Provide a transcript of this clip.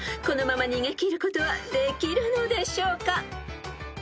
［このまま逃げ切ることはできるのでしょうか？］